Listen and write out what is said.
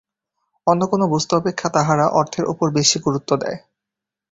অন্য কোন বস্তু অপেক্ষা তাহারা অর্থের উপর বেশী গুরুত্ব দেয়।